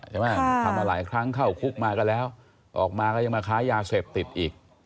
ทำมาหลายครั้งเข้าคุกมาก็แล้วออกมาก็ยังมาค้ายาเสพติดอีก